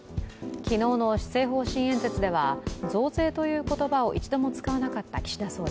昨日の施政方針演説では増税という言葉を一度も使わなかった岸田総理。